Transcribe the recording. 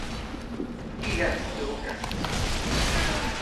He has no parents.